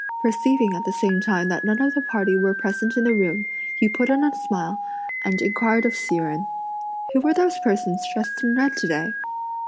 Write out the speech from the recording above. Perceiving at the same time that none of the party were present in the room, he put on a smile and inquired of Hsi Jen: "Who were those persons dressed in red to day?"